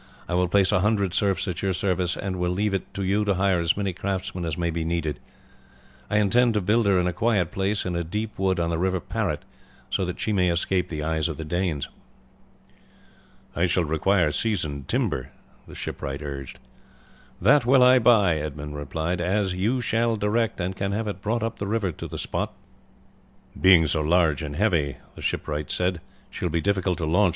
"I will place a hundred serfs at your service, and will leave it to you to hire as many craftsmen as may be needed. I intend to build her in a quiet place in a deep wood on the river Parrot, so that she may escape the eyes of the Danes." "I shall require seasoned timber," the shipwright urged. "That will I buy," Edmund replied, "as you shall direct, and can have it brought up the river to the spot." "Being so large and heavy," the shipwright said, "she will be difficult to launch.